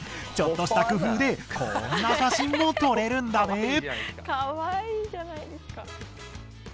ちょっとした工夫でこんな写真も撮れるんだね。